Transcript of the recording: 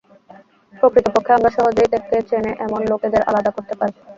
প্রকৃতপক্ষে, আমরা সহজেই তাকে চেনে এমন লোকেদের আলাদা করতে পারি।